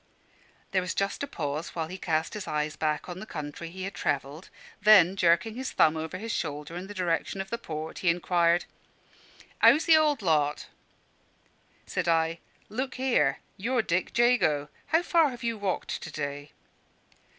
There was just a pause while he cast his eyes back on the country he had travelled; then, jerking his thumb over his shoulder in the direction of the port, he inquired "'Ow's the old lot?" Said I, "Look here; you're Dick Jago. How far have you walked to day?"